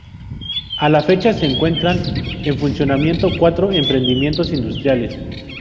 A la fecha se encuentran en funcionamiento cuatro emprendimientos industriales.